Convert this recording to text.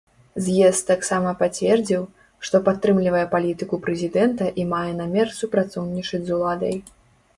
З'езд таксама пацвердзіў, што падтрымлівае палітыку прэзідэнта і мае намер супрацоўнічаць з уладай.